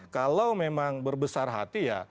kalau memang berbesar hati ya